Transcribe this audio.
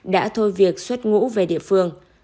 đã thôi việc xuất ngũ về địa phương